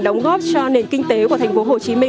đóng góp cho nền kinh tế của tp hcm